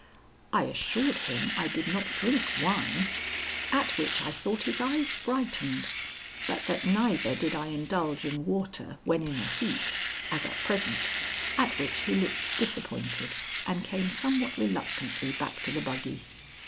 I assured him I did not drink wine, at which I thought his eyes brightened, but that neither did I indulge in water when in a heat, as at present, at which he looked disappointed and came somewhat reluctantly back to the buggy.